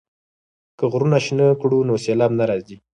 که غرونه شنه کړو نو سیلاب نه راځي.